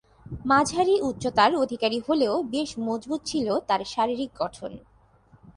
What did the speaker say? মাঝারী উচ্চতার অধিকারী হলেও বেশ মজবুত ছিল তার শারীরিক গড়ন।